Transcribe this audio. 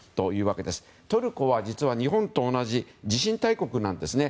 トルコは実は日本と同じ地震大国なんですね。